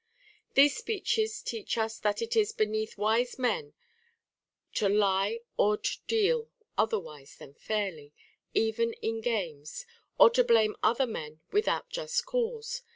t These speeches teach us that it is beneath wise men to lie or to deal otherwise than fairly, even in games, or to blame other men without just cause.